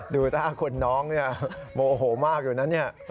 ดูท่าคนน้องเนี่ยโมโหมากอยู่นะเนี่ย